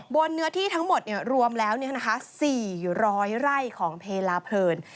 เนื้อที่ทั้งหมดรวมแล้ว๔๐๐ไร่ของเพลาเพลิน